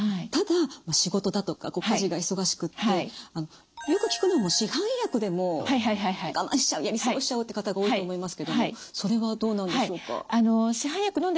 ただ仕事だとか家事が忙しくてよく聞くのも市販薬でもう我慢しちゃうやり過ごしちゃうって方が多いと思いますけどもそれはどうなんでしょうか？